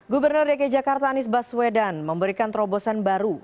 gubernur dki jakarta anies baswedan memberikan terobosan baru